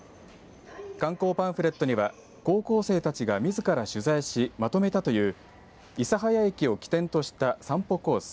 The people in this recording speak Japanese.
観光パンフレットには高校生たちが、みずから取材しまとめたという諫早駅を起点とした散歩コース